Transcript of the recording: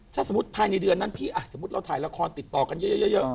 ถ้าสมมุติภายในเดือนนั้นพี่สมมุติเราถ่ายละครติดต่อกันเยอะ